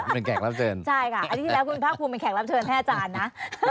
เป็นแขกรับเชิญใช่ค่ะอาทิตย์ที่แล้วคุณภาคภูมิเป็นแขกรับเชิญให้อาจารย์นะ